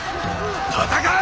戦え！